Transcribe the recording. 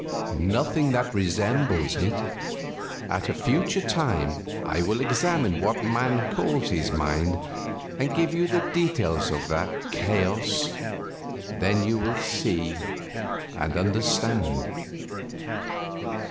"Nothing that resembles it. At a future time I will examine what man calls his mind and give you the details of that chaos, then you will see and understand.